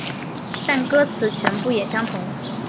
但歌词全部也相同。